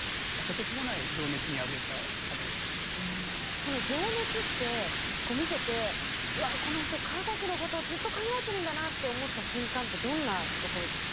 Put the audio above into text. その情熱ってこう見てて「うわっこの人化学のことをずっと考えてるんだな」って思った瞬間ってどんなところでした？